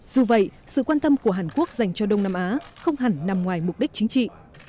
dù vậy sự quan tâm của hàn quốc dành cho đông nam á không hẳn nằm ngoài mục đích chính trị